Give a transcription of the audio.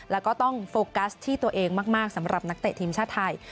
แล้วก็ต้องโฟกัสที่ตัวเองมากสำหรับนักเตะทีมชาติไทย